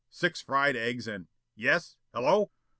Six fried eggs and yes? Hello!"